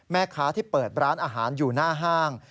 แม่ค้าที่เปิดร้านอาหารอยู่หน้าห้าง